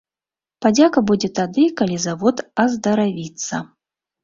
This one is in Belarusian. Падзяка будзе тады, калі завод аздаравіцца.